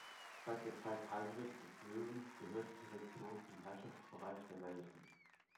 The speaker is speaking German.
Seit der Zeit Heinrichs des Löwen gehörte die Region zum Herrschaftsbereich der Welfen.